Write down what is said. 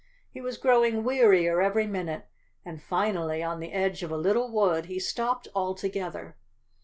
He was growing wearier every minute, and finally on the edge of a lit¬ tle wood he stopped altogether.